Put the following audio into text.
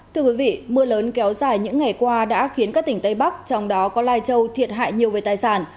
thưa quý vị mưa lớn kéo dài những ngày qua đã khiến các tỉnh tây bắc trong đó có lai châu thiệt hại nhiều về tài sản